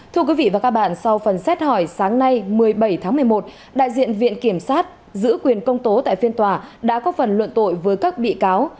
thưa quý vị và các bạn sau phần xét hỏi sáng nay một mươi bảy tháng một mươi một đại diện viện kiểm sát giữ quyền công tố tại phiên tòa đã có phần luận tội với các bị cáo